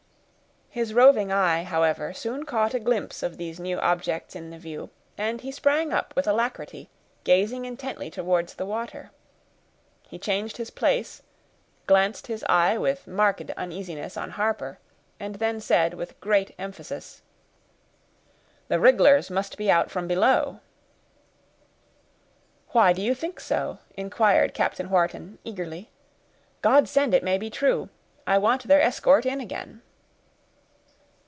His roving eye, however, soon caught a glimpse of these new objects in the view, and he sprang up with alacrity, gazing intently towards the water. He changed his place, glanced his eye with marked uneasiness on Harper, and then said with great emphasis— "The rig'lars must be out from below." "Why do you think so?" inquired Captain Wharton, eagerly. "God send it may be true; I want their escort in again."